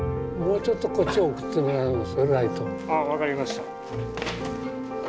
・あ分かりました。